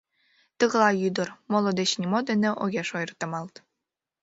Тыглай ӱдыр, моло деч нимо дене огеш ойыртемалт.